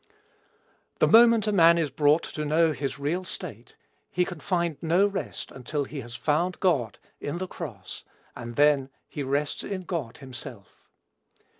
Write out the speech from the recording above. The moment a man is brought to know his real state, he can find no rest until he has found God, in the cross, and then he rests in God himself.